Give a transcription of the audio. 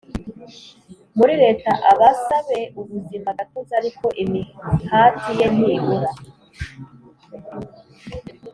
muri leta abasabe ubuzima gatozi ariko imihati ye ntibura